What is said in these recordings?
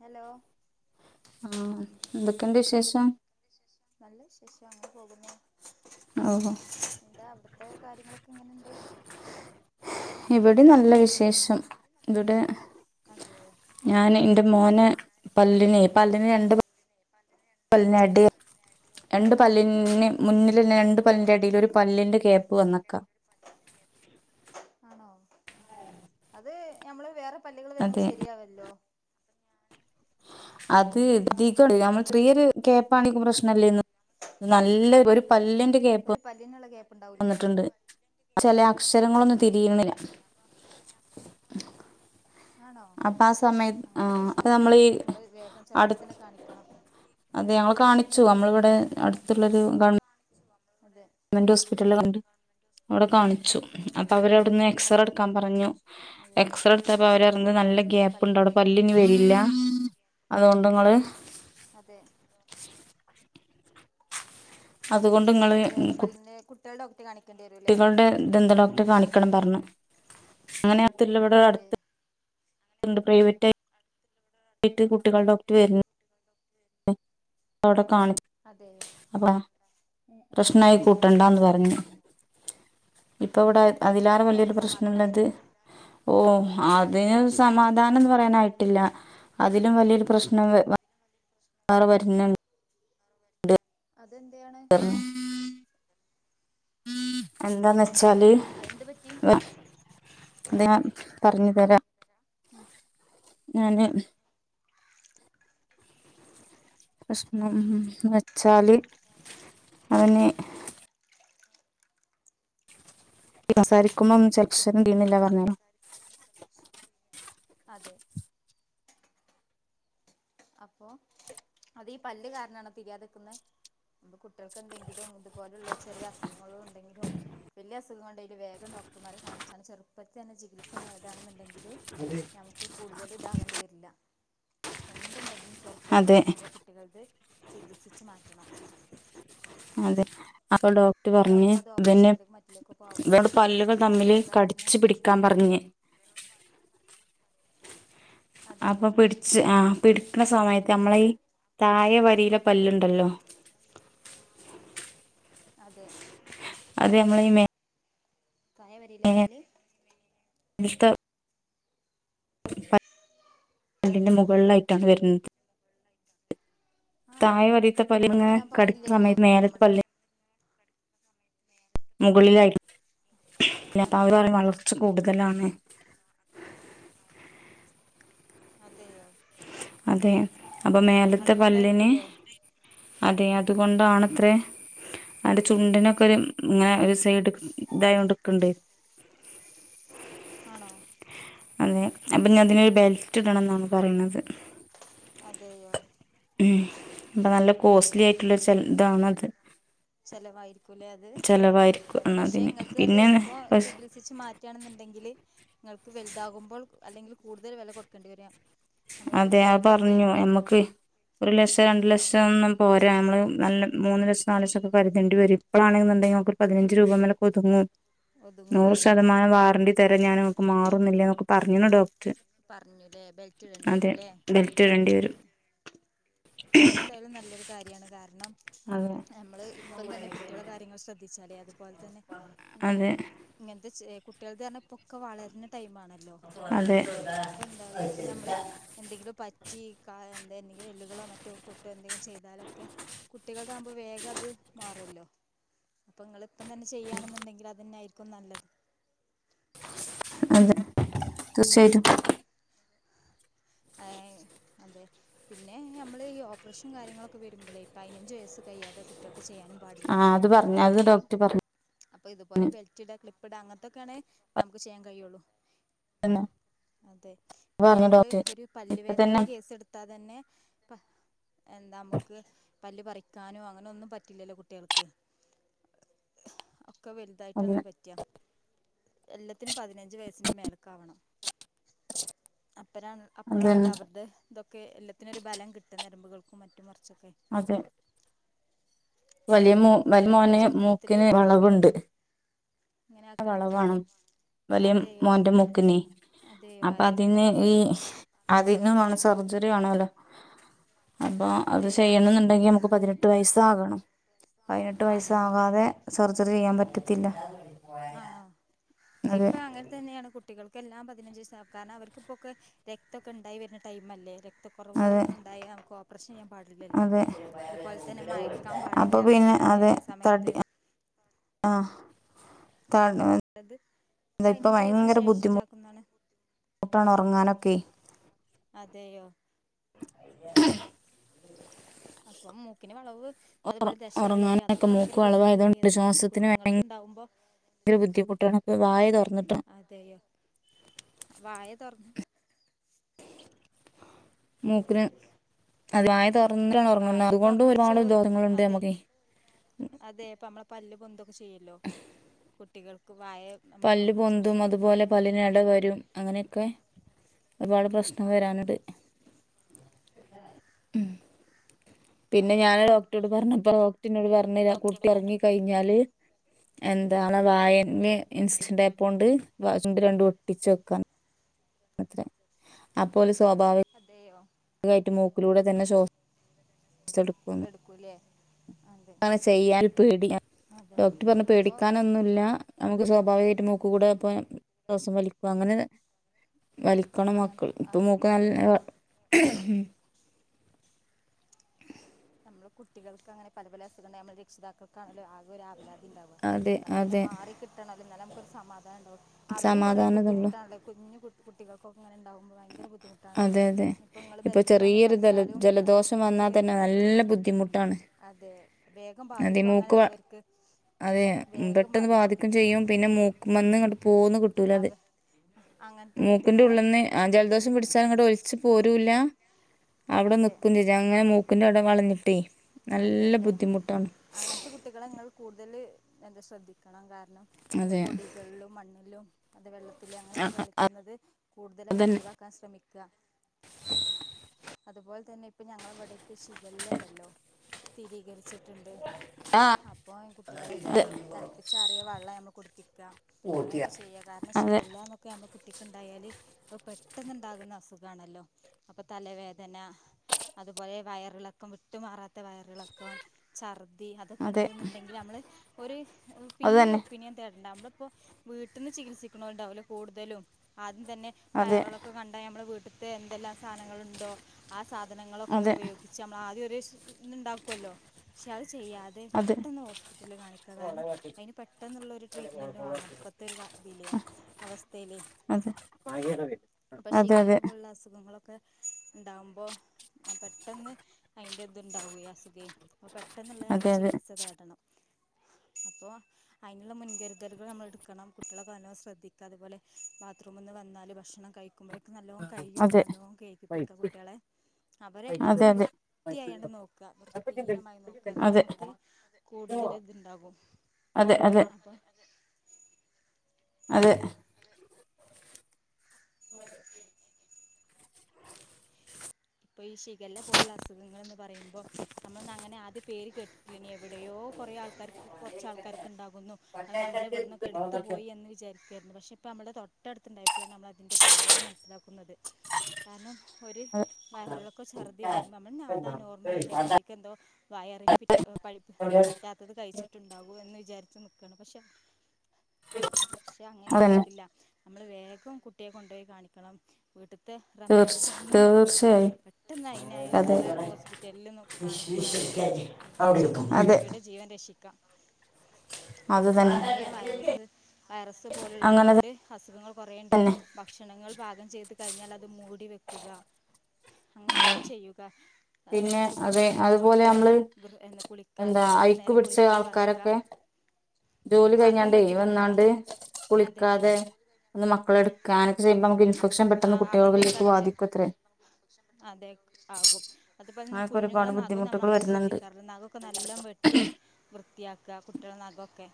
Hello ആഹ എന്തൊക്കെണ്ട് വിശേഷം വിശേഷം നല്ല വിശേഷം അങ്ങനെ പോകുന്നു ഓഹ് എന്താ അവിട ത്തെ കാര്യങ്ങളൊക്കെ എങ്ങനെണ്ട്? ഇവടിം നല്ല വിശേഷം ഇവടെ അതെയോ ഞാന് ഇന്റെ മോനെ പല്ലിനെ പല്ലിന് രണ്ട് പൊ ൾഞ്ഞാണ്ട് രണ്ടുപല്ലിന് അതെ മുന്നിലെന്നെ രണ്ട് പല്ലിൻ്റെ എടീലൊരു പല്ലിന്റെ ഗ്യാപ്പ് വന്ന്ക്കാ ആണോ? അത് ഞമ്മള് വേറെ പല്ല്കള് വെരുമ്പോ അതെ ശരിയാവൊല്ലോ? അത് അധികുണ്ട് ഞമ്മള് ചെറിയൊരു ഗേപ്പാണെങ്കി പ്രശ്നല്ലേന്നു നല്ല ഒരു പല്ലിന്റെ ഗേ പ്പ് ഒരു പല്ലിനുള്ള ഗ്യാപ്പുണ്ടാവൂലേ വന്ന്ട്ട്ണ്ട് ചെല അക്ഷരങ്ങളൊന്നും അതെയോ തിരിയുന്നില്ല [inaudible] ആണോ? അപ്പൊ ആ സമയത്ത് ആ അങ്ങത്തെ അപ്പൊ നമ്മളീ പ്രശ്നങ്ങളൊക്കെണ്ടെങ്കി ഇങ്ങള് വേഗം അടു ചെറുപ്പത്തെന്നെ കാണിക്കണം അതെ ഞങ്ങള് കാണിച്ചു അമ്മള വെടെ അട്ത്ത്ള്ളൊരു ഗവൺ അതെ മെന്റ് ഹോസ്പിറ്റല് പോയാണ്ട് അവിടെ കാണിച്ചു അപ്പൊ അവരൗട്ന്ന് അവിടെ പല്ല് ഡോക്ടർ വരുന്നുണ്ട് അവിടെ എക്സറെട്ക്കാൻ പറഞ്ഞു എക്സറെട്ത്തപ്പം അവരർഞ്ഞിത് നല്ല ഗ്യപ്പ്ണ്ടവ്ടെ പല്ലിന്റെ പല്ല് ഇഞ് വെരില്ല അതുകൊണ്ട്ങ്ങള് അതെ അതുകൊണ്ട് നിങ്ങള് വേറെ പല്ലിനെ കുട്ടിയെളെ ഡോക്ടെ കാണിക്കെ? കുട്ടികൾടെ ദന്ത ഡോക്ട്ടെ കാണിക്കണം പറഞ്ഞു അങ്ങനെ അട്ത്ത് അതെ ഇവടട്ത്ത് ണ്ട് പ്രൈവറ്റായി ട്ട് കുട്ടികൾ ഡോക്ടർ വെര്ന്ണ്ട് അവ്ടെ കാണിക്ക അതെയോ അപ്പ ഉം ഉം പ്രശ്നായി കൂട്ടെണ്ടാന്ന് പർഞ് ഇപ്പൊവെടെ അതിലേറെ ഓ അപ്പൊ വല്ല്യൊരു പ്രശ്നെള്ളത് സമാധാനായല്ലോ ഓ അതിന് സമാധാനംന്ന് പറയാനായിട്ടില്ല അതിലും വലിയൊരു പ്രശ്നം അതെ വേറെ വര്ന്ണ്ട് അതെന്തെയാണ്? എന്താന്നെച്ചാല് അയെന്ത് പറ്റി? അ അത് ഞാൻ പറഞ്ഞു തരാം ഉം ഞാന് പ്രശ്നം ന്ന് വെച്ചാല് ഓന് സംസാരിക്കുമ്പൊന്ന് ചെലക്ഷരം തിരിണില്ല പർഞ്ഞിലെ അതെ അപ്പൊ അതീ പല്ല്കാരണാണോ തിരിയാത്ക്ക്ന്നെ? പ്പൊ കുട്ടിയെൾക്കെന്തെങ്കിലും ഇതുപോലുള്ള ചെറിയ അസുഖങ്ങളും ഉണ്ടെങ്കിലും വലിയ അസുഖം കൊണ്ടേല് വേഗം ഡോക്ടർമാരെ കാണിച്ചാണ്ട് ചെറുപ്പത്തന്നെ ചികിത്സ നേടാണ്ന്ന്ണ്ടെങ്കില് നമ്മക്ക് കൂട്തല് ഇതാവേണ്ടി വര്ല്ല എന്ത്ണ്ടെങ്കിലും ചെർപ്പത്തി അതെ തന്നെ നമ്മള് കുട്ടികൾത് ചികിത്സിച്ചു മാറ്റണം അതെ അപ്പൊ ഡോക്ടർ പറഞ്ഞ് വലുതാകുമ്പോ അത് ഇബന് ഓപ്പറേഷത്തിലേക്കും മറ്റിലേക്കും ഇതൊണ്ട് പോകുമല്ലോ പല്ലുകൾ തമ്മില് കടിച്ചു പിടിക്ക ക്കാം പർഞ്ഞ് ഇബനോട് പല്ല് അപ്പൊ അതെയോ പിടിച്ച് ആ പിടിക്ക്ണ സമയത്ത് നമ്മളെയീ എന്നിട്ട് തഴെ വരിയിലെ പല്ല്ണ്ടല്ലോ? അതെ അതെ നമ്മളെയീ മേ താഴെ വരിലേ പല്ല്? നിഷ്ട അല്ലെങ്കി മുകളിലായിട്ടാണ് വരുന്നത് ആണോ താഴെ വലിയത്ത പല്ല് അങ്ങനെ ഇങ്ങനെ വരാൻ കടിക്ക പാടില്ലല്ലോ സമയത്ത് മേലത്തെ നമ്മുടെ പല്ല് മുകളിലായിരി അപ്പൊ അവര് അതെയോ പറയും വളർച്ച കൂടുതലാണ് അതെയോ അതെ അപ്പൊ മേലത്തെ പല്ലിന് അതുകൊണ്ടായിരിക്കൂലേ അതെ അതുകൊണ്ടാണത്ര അന്റെ ചുണ്ടിനൊക്കെ ഒരു ഇങ്ങനെ ഒരു സൈഡ് ഇതായി കൊടുക്കണ്ട് ആണോ അതെ അപ്പൊ ഞ അതിനരു ബെൽറ്റ് ഇടണം എന്നാണ് പറയണത് അതെയോ അപ്പം നല്ല കോസ്റ്റ്ലി ആയിട്ടുള്ളരു സെറ്റ് ഇതാണത് ചെലവായിരിക്കുംല്ലേ അത് അത് ചെലവായിരിക്കും പക്ഷെ അതിന് എങ്ങൾക്ക് അത് പിന്നെ ഇപ്പോ ചികത്സ ചേച്ചി മാറ്റുകയാണെന്നുണ്ടെങ്കില് നിങ്ങൾക്ക് വലുതാകുമ്പോൾ അല്ലെങ്കിൽ കൂടുതൽ വില കൊടുക്കേണ്ടി വരിക അതെ ആഹ് പറഞ്ഞു നമ്മക്ക് ഒരു ലക്ഷം രണ്ടു ലക്ഷം ഒന്നും പോരാ നമ്മള് നല്ല അതെ മൂന്ന് ലക്ഷം നാല് ലക്‌ഷ്യൊക്കെ കരുതേണ്ടി വരും ഇപ്പോഴാണെന്നുണ്ടെങ്കിൽ നമുക്ക് ഒരു പതിനഞ്ച് രൂപ മേലെക്കൊതുങ്ങും നൂറ് ഒതുങ്ങൂലേ ശതമാനം വാറന്ണ്ടി തരാൻ ഞാൻമക്ക് മാറുന്നില്ലേ എന്നൊക്കെ പറഞ്ഞു ഡോക്ടർ പറഞ്ഞുല്ലേ ബെൽ അതെ ബെൽറ്റ് ഇടേണ്ടി വരും അതെന്തായാലും നല്ലൊരു കാര്യാണ് കാരണം അതെ നമ്മൾ ഇപ്പം തന്നെ കുട്ടികള കാര്യങ്ങൾ ശ്രദ്ധിച്ചാലേ അതുപോലെ തന്നെ പിന്നെ അതെ ഇങ്ങനത്തെ കുട്ടികൾ പറഞ്ഞാ ഇപ്പൊക്കെ വളരുന്ന ടൈം ആണ് ല്ല അതെ അപ്പൊ എന്താറിയോ ഇപ്പൊ നമ്മള് എന്തെങ്കിലും പറ്റി കാ എന്തെങ്കിലും എല്ലുകളോ മറ്റ പറ്റോ പൊട്ടോ എന്തെങ്കിലും ചെയ്താലൊക്കെ കുട്ടികൾക്കാകുമ്പോ വേഗം അത് മാറല്ലോ അപ്പൊ നിങ്ങള ഇപ്പം തന്നെ ചെയ്യുകയാണെന്നുണ്ടെങ്കിൽ അത് തന്നായിരിക്കും നല്ലത് [unintelligible] അതെ അതെ പിന്നെ നമ്മൾ ഓപ്പറേഷനും കാര്യങ്ങളൊക്കെ വരുമ്പോളേ പതിനഞ്ച് വയസ് കഴിയാതെ ഇപ്പം കുട്ടികൾക്ക് ചെയ്യാനും പാട് ആഹ് അത് പറഞ്ഞു അത് ഡോക്ടർ പറഞ്ഞു അപ്പൊ ഇതുപോലെ ബെൽറ്റിട ക്ലിപ്പ്ടാ അങ്ങനത്തൊക്കെയാണെ നമുക്ക് ചെയ്യാൻ കഴിയുള്ളൂ അതെ ഇപ്പൊ പറഞ്ഞു ഞമ്മള് ഡോക്ടർ ഒരു ഇപ്പ തന്നെ പല്ലുവേദനെന്റെ കേസ് എടുത്ത് ത്താ തന്നെ പ എന്താ നമുക്ക് പല്ല് പറിക്കാനോ അങ്ങനെ ഒന്നും പറ്റില്ലല്ലോ കുട്ടികൾക്ക് ഒക്കെ അതെ വലുതായിട്ടാണല്ലോ പറിക്ക എല്ലാത്തിനും പതിനഞ്ച് വയസ്സിന്റെ മേലക്കാവണം അപ്പഴ അപ്പോളാണല്ലോ അതന്നെ അവരുടെ ഇതൊക്കെ എല്ലാത്തിനൊരു ബലം കിട്ടും ഞരമ്പുകൾക്കും മറ്റും കുറച്ചൊക്കെ അതെ വലിയ മോ ഇപ്പോൾ വല മോനെ കുട്ടികളതാകുമ്പോൾ ചെറുപ്പത്തില് മൂക്കിന് ഇങ്ങനെ വളവുണ്ട് ഇങ്ങനെ ആക്കണേ വളവാണ് സുഖാണ് വലിയ അതെയോ മോന്റെ മൂക്കിനെ അതെയോ അപ്പൊ അതിനെന്താ അതിന്ന് ഈ പറഞ്ഞേ അതിന് വേണം സർജറി വേണോല്ലോ അപ്പൊ അത് അതെയോ ചെയ്യണം എന്നുണ്ടെങ്കി നമുക്ക് പതിനെ ട്ട് വയസ്സാകണം പതിനെട്ട് ആകണം അല്ലേ വയസ്സാകാതെ സർജറി ചെയ്യാൻ പറ്റത്തില്ല ആണോ അതെ ഇപ്പൊ അങ്ങനെ തന്നെയാണ് കുട് ട്ടികൾക്കെല്ലാം പതിനഞ്ച്സ കാരണം അവർക്കിപ്പോക്കെ രക്തക്കെണ്ടായി വരുന്നടൈംല്ലേ രക്തം അതെ കുറവുകളൊന്നുണ്ടായില്ല നമുക്ക് ഓപ്പറേഷൻ ചെയ്യാൻ പാട് ടില്ലല്ലോ അതെ അതുപോലെ തന്നെ മയക്കാൻ അപ്പൊ പാടില്ല പിന്നെ കുട്ടികളെ ഈ സമയത്ത് ആഹ് അപ്പൊ അതത് പതിനഞ്ച് വയസ്സിന് ശേഷം ചാക്കുന്നാണ് കൂട്ടണ ഉറങ്ങാനൊക്കെ അതെയോ അപ്പം മൂക്കിന് വളവ് അതുപോലെ ദശ വളരി ഉറങ്ങാനൊക്കെ അതൊക്കെ മൂക്ക് ഭയങ്കര ബുദ്ധിമുട്ടുള്ള വളവായതുകൊണ്ട് കേസ്ന്നെയാണ് ശ്വാസത്തിന് കുഞ്ഞുങ്ങൾക്ക് ഉണ്ടാവുമ്പോ ഭയങ്കര ബുദ്ധിമുട്ടാണ്പ്പൊ വായ തുറന്നിട്ടോ. അതെയോ വായ തുറന്ന്. മൂക്കിന് അതു വായ തുറന്നിട്ടാ ഉറങ്ങുന്നത് വായ അതുകൊണ്ടും തുറന്ന് വെച്ച് ഒരുപാട് ദോഷങ്ങളുണ്ട് അതെ നമ്മക്ക്. അതെ പ്പമ്മള പല്ല് പൊന്തൊക്കെ ചെയ്യല്ലോ കുട. പല്ല പൊന്തും അതുപോലെ പല്ലിനടവരും അങ്ങനെയൊക്കെ. ഒരുപാട് പ്രശ്നം അതെ വരാണ്ട്. ഉം. പിന്നെ ഞാന് നമ്മളിപ്പം ഡോക്റോഡ് പറഞ്ഞുപ്പോ ഡോക്ടറ്ഇന്നോട് പറഞ്ഞ് കുട്ടി ഒറങ്ങി. കഴിഞ്ഞാല് എന്താണ് വായമെ. ഇൻസ്റ്റൻ ടാപ് കൊണ്ട് വാ ചുണ്ട് രണ്ടും ഒട്ടിച്ച് വെക്കാൻ. കെ അപ്പോല് സ്വാഭാവിക. അതെയോ. ഇങ്ങെനെയിട്ട് മൂക്കിലൂടെ തന്നെ ശ്വാ സെടുക്കും. എടുക്കും ലേ. താണ് ചെയ്യാൻ പേടി അതെ ഡോക്ടർ പറഞ്ഞ് അപ്പോൾ പേടിക്കാനൊന്നുമല്ല. നമുക്ക് സ്വാഭാവികായിട്ട് മൂക്കുകൂടെ ഇപ്പ ശാസം വലിക്കും അങ്ങനെ. വലിക്കണം മക്കൾ അങ്ങനത്തെ ഇപ്പൊ അതെ മൂക്ക് അതെ നല്ല നമ്മള് കുട്ടികൾക്ക് അങ്ങനെ പല പല അസുഖ നമ്മൾ രക്ഷിതാക്കൾക്കാണല്ലോ ആക ഒരാധി. വലാതി ഉണ്ടാവ അതെ അത് പിന്നെ അതെ മാറി കിട്ടണല്ലോ എന്നാൽ നമുക്കൊരു സമാധാനം ണ്ടാവാ അവരും കൊറെ സമാധാനതള്ളു ബുദ്ധിമുട്ടാണല്ലോ കുഞ്ഞു കു കുട്ടികൾ. ക്ക ങ്ങനെ ഉണ്ടാവുമ്പോ ഭയങ്കര ബുദ്ധിമുട്ടണല്ലോ അതെ അതെ ഇഞ്ഞിപ്പം ങ്ങള് ഇപ്പൊ ബെൽറ്റ് ഇടാന്ന് ചെറിയൊരു ജല പറഞ്ഞാലും അത്. ജലദോഷം വന്നാൽ തന്നെ നല്ല ബുദ്ധിമുട്ടാണ്. അതെ വേഗം അതെ ബാധിക്കും മൂക്ക് വ- അങ്ങനെയുള്ളവർക്ക്. അതെ പെട്ടന്ന് ബാധിക്കും ചെയ്യും പിന്നെ മൂക്കുമന്ന് ഇങ്ങ്ട്ട് പോന്ന് കിട്ടൂല അത്. അവ അങ്ങനത്തെ കുട്ടികളെ. ആഹ് ജലദോഷം പിടിച്ചാലും ഇങ്ങോട്ട ഒലിച്ച് പോരൂല്ല അവിടെ അതെ നിക്കും ചെയ. അങ്ങനെ മൂക്കിന്റെവിടെ വളഞ്ഞിട്ടേ നല്ല അതെല്ലേ ബുദ്ധിമുട്ട്. അങ്ങനത്തെ കുട്ടികളെ ങ്ങൾ കൂടുതല് ശ്രദ്ധിക്കണം കാരണം. അതെ പൊടികളിലും മണ്ണിലും അത വെള്ളത്തിലും ആ അങ്ങനെയൊക്കെ കളിക്കുന്നത് കൂടുതലായിട്ട് അതന്നെ ഒഴിവാക്ക. കാൻ ശ്രമിക്കാ. [inaudible] അതുപോലെതന്നെ ഇപ്പൊ ഞങ്ങളെവിടൊക്കെ ശിഖല്ലണ്ടല്ലോ. സ്ഥിരീകരിച്ചിട്ട്ണ്ട്. ആ അപ്പൊ ഇ കുട്ടികളെക്കെ തെളപ്പിച്ചാറിയ വെള്ളം നമ്മള് കുടിപ്പിക്കാ അങ്ങനെയൊക്കെ ചെയ്യാ- കാരണം അതെ അതെ ശിഖല്ലാന്നൊക്കെ നമ്മളെ കുട്ടിക്ക് ഉണ്ടായാല് അത് പെട്ടെന്നുണ്ടാകുന്ന അസുഖാണല്ലോ. അപ്പൊ തലവേദന അതുപോലെ വയറിളക്കം വിട്ടുമാറാത്ത വയറിളക്കം. ഛർദി അതൊക്കെ അതെ ഇണ്ടിന്ന്ണ്ടെങ്കിൽ നമ്മള്. ഒരു അത് പിന്നെ ഒരു തന്നെ ഒപ്പീനിയൻ തേടണ്ട നമ്മള ഇപ്പോ. വീട്ടിന്ന് ചികിത്സിക്കുണോല് ഉണ്ടാവോലോ കൂടുതലും ആദ്യം തന്നെ അതെ വയറിളൊക്കെ കണ്ടാ നമ്മൾ വീട്ടിൽ. ത്തെ എന്തെല്ലാം സാധനങ്ങളുണ്ടോ ആ സാധനങ്ങളൊക്കെ അതെ ഉപയോഗിച്ച് നമ്മൾ ആദ്യം ഒരു സ്? ന്ന് ഉണ്ടാക്കോല്ലോ പക്ഷെ അത് ചെയ്യാതെ. അത അതെ അതെ പെട്ടെന്ന് ഹോസ്പിറ്റലിൽ കാണിക്കുക കാരണം അതിന് പെട്ടെന്നുള്ളൊരു ട്രീറ്റ്മെന്റ് വാണം ഇപ്പ. ഒരു ഇല അവസ്ഥയിലെ. അതെ അതെ അതെ. അസുഖങ്ങളൊകെ. ഒക്കെ ഉണ്ടാകുമ്പോ പെട്ടെന്ന് അതിൻ്റെ ഇത് ഉണ്ടാവേം. അസുഖേം. അപ്പൊ പെട്ടെന്നുള്ള നമ്മൾ അതെ അതെ അതെ ചികിത്സ തേടണം അപ്പൊ. അയ്ന്ള്ള മുൻകര്തല്കൾ നമ്മൾട്ക്കണം കുട്ടിളെ നല്ലോം ശ്രദ്ധിക്ക അതുപോലെ ബാത്റൂമിന്ന് വന്നാല് ഭഷണം കഴി ക്കുമ്പൊഴേക്കെ നല്ലോ കയ്യ് ഒക്കെ നല്ലോം കെയ്കിപ്പിക്ക കുട്ട്യേളെ അതെ അതെ അവരെപ്പഴും വൃ അതെ ത്തിയായോണ്ട് നോക്കാ വൃത്തിഹീനമായി നോക്ക ന്നാ അതെ നമക്ക് കൂടുതൽ ഇതുണ്ടാകും. അതെ അതെ അപ്പൊ അതെ അതെ [inaudible] ഇപ്പൊ ഈ ശിഖല്ല പോലുള്ള അസുഖങ്ങൾന്ന് പറയുമ്പോ നമ്മളന്ന് അങ്ങനെ ആദ്യം പേര് കേ എവിടെയോ കൊറേ ആൾക്കാർ കൊർച്ച് ആൾക്കാർക്ക്ണ്ടാകുന്നു അത് നമ്മ്ടെ ഇവ്ട്ന്നൊക്കെ ഇട്ത്ത് പോയിഎന്ന് വിചാരി വര്ന്നു ക്ഷെ ഇപ്പൊ നമ്മള്ടെ തൊട്ടടുത്ത്ണ്ടായപ്പോഴണ് നമ്മ ൻൻ്റെ ഗൗരവം മൻസ്സിലാക്കുന്നത് കാര്ണം ഒര് വയറ്ളൊക്കെ ശർദ്ധി വെര്മ്പം അമ്മൾ ഞഅതാ നോർമലല്ലേ കുട്ടിക്കെന്തോ വയറിന് പിറ്റ് ഒ പഴ്പ്പ് റ്റാത്തത് കയിച്ച്ട്ട്ണ്ടാവെന്ന് വിചാരിച്ച് നിക്കാണ് പക്ഷെ ക്ഷെ അതന്നെ അങ്ങനെയായിരിക്കില്ല അമ്മള് വേഗം കുട്ടിയെ കൊണ്ടെയി കാണിക്കണം. വീട്ട്ത്തെ തീർച്ച റെമഡീസ് ഒന്നും നോക്കര്ത് തീർച്ചയായും പെട്ടെന്ന് അതെ അയിനുള്ള ഹോസ്പിറ്റലിൽ കാണിക്കഅയിന്ള്ള ട്രീറ്റ്മെൻറ് ചെയ്ത് അമക്ക് അതെ കുട്ടിയുടെ ജീവൻ രഷിക്കാം അത് ഇപ്പം തന്നെ കൊറേ വൈറസ് വൈറസ് അങ്ങനെ പോലുള്ളതോണ്ട് അസുഖങ്ങൾ കൊറെണ്ട് തന്നെ പ്പ ക്ഷണങ്ങൾ പാകം ചെയ്ത് കഴിഞ്ഞാൽ അത് മൂടി വെക്കുക അങ്ങനെക്കെ ചെയ്യുക. അനെ പിന്നെ അതെ കുട്ടികൾട് അതുപോലെ എപ്പഴും നമ്മള് എ എന്താ കുളിക്കാനും രണ്ടു ഐക്ക് നേരം കുളിക്കൻ പറയുക. തോല് നഖം കഴിഞ്ഞാണ്ടെ വെട്ടിക്കൊടുക്കുക വെന്നാണ്ട് അതെ കുളിക്കാതെ ഇന്ന് മക്കളെട്ക്കാനചെയ്യുമ്പം കു അമക്ക് ഇൻഫെക്ഷൻ പെട്ടെന്ന് അകത്തേക്ക് കുട്ടികളിലേക്ക് അടുത്തരി ബാധിക്കുത്രേ അതെ ആകും അത്പോലെന്നെ അങ്ങനൊക്കെ കുഞ്ഞുങ്ങളെ ഒരുപാട് നഖന്നും ബുദ്ധിമുട്ടുകൾ നമ്മങ്ങനെ വരുന്നുണ്ട് ശ്രദ്ധിക്കാറുന്ന ഒക്കെ നല്ലാം വെട്ടി വൃത്തിയാക്ക കുട്ട്യേള നഖൊക്കെ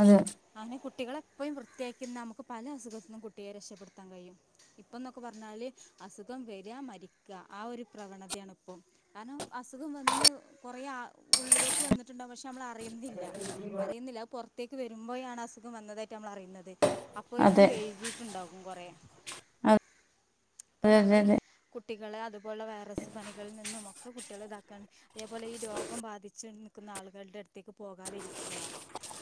അതെ ആനെ കുട്ടികളെപ്പഴും വൃത്തിയാക്കിന്ന അമുക്ക് പല അസുഖത്ത്നും കുട്ടിയെ രഷപ്പെടുത്താൻ കഴിയും ഇപ്പന്നൊക്കെ പർഞ്ഞാല് അസുഖം വെര മരിക്ക ആ ഒരു പ്രവണതയാണ് ഇപ്പം കാർണം അസുഖം വന്ന് കൊറേ ആ ഉള്ളിലേ ക്ക് വെന്ന്ട്ട്ണ്ടാവും വക്ഷെ അമ്മള് അറയിന്നില്ല അറിയിന്നില്ല അത് പൊർ ത്തേക്ക് വെരുമ്പോഴാണ് അസുഖം വന്നതായിട്ട് നമ്മള് അറിയ്ന്നത് അപൊഴേക്കും അതെ വെയ്കിട്ട്ണ്ടാകും കൊറെ അതെ അതെ അപ്പനമ്മള് അതെ കുട്ടികളെ അതുപോലെ വൈറസ് പനികളിൽ നിന്നുമൊക്കെ കുട്ടിള ഇതാക്കാന്ന് അതേപോലെ ഈ രോഗം ബാധിച്ച് നിക്ക്ന്ന ആള്കൾടെ അട്ത്തേക്ക് പോകാതിരിക്ക.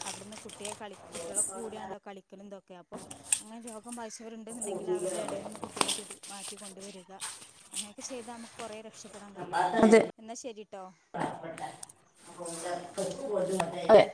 അവിടുന്ന് കുട്ടിയെ കളി കുട്ട്യളെ കൂടേയണല്ലോ കളിക്കലും ഇതൊക്കെ അപ്പൊ അങ്ങനെ രോഗം ബാധിച്ചവര് ഇണ്ട്ന്നുണ്ടെങ്കിൽ അവരുടെ എടേന്നും കുട്ടിയെ പിടി മാറ്റി കൊണ്ടുവര് ന്ന അങ്ങനെയൊക്കെ ചെയ്താ അമ്മക്ക് കൊറെ രക്ഷപ്പെടാൻ കഴിയും അതെ എന്നാ ശരീട്ടോ അതെ